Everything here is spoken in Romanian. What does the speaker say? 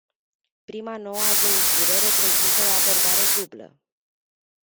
Prima nouă adăugire reprezintă o abordare dublă.